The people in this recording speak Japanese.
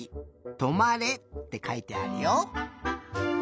「止まれ」ってかいてあるよ。